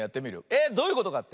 えっどういうことかって？